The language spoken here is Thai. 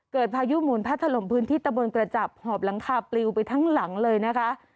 พายุหมุนพัดถล่มพื้นที่ตะบนกระจับหอบหลังคาปลิวไปทั้งหลังเลยนะคะ